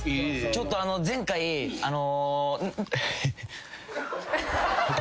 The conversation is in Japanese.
ちょっと前回あの。